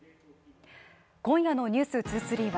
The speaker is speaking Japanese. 今夜の「ｎｅｗｓ２３」は